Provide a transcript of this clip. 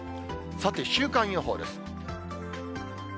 さて、週間予報です。